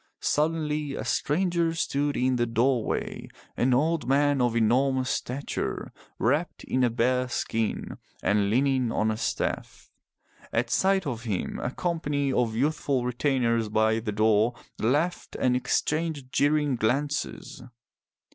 Suddenly a stranger stood in the doorway, an old man of enormous stature, wrapped in a bear skin, and leaning on a staff. At sight of him a company of youthful retainers by the door laughed and exchanged jeering glances.